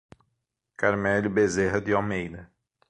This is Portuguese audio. Carmelio Bezerra de Almeida